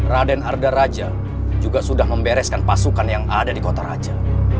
raden arda raja juga sudah membereskan pasukan yang ada di kota raja